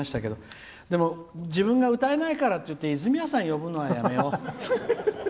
でも自分が歌えないからっていって泉谷さん呼ぶのやめよう。